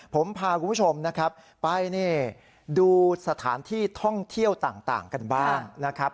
ผมพาคุณผู้ชมนะครับไปดูสถานที่ท่องเที่ยวต่างกันบ้างนะครับ